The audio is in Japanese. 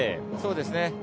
そうですね。